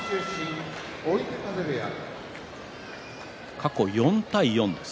過去４対４です。